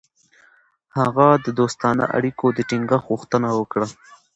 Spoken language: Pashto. هغه د دوستانه اړیکو د ټینګښت غوښتنه وکړه.